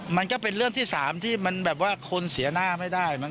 มันก็เป็นเรื่องที่๓ที่มันแบบว่าคนเสียหน้าไม่ได้